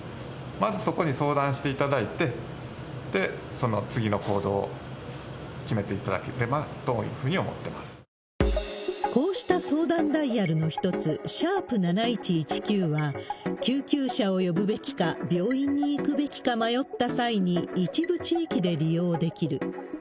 まずそこに相談していただいて、その次の行動を決めていただけれこうした相談ダイヤルの一つ、＃７１１９は、救急車を呼ぶべきか、病院に行くべきか迷った際に、一部地域で利用できる。